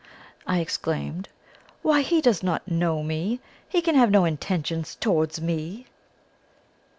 I exclaimed. "Why, he does not know me he can have no intentions towards me!"